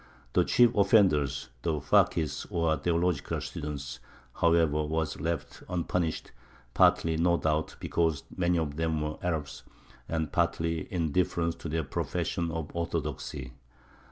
The chief offenders, the fakis, or theological students, however, were left unpunished, partly, no doubt, because many of them were Arabs, and partly in deference to their profession of orthodoxy.